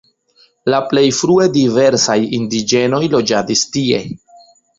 La plej frue diversaj indiĝenoj loĝadis tie.